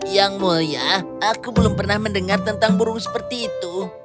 yang mulia aku belum pernah mendengar tentang burung seperti itu